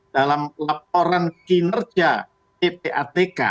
dalam laporan kinerja ppatk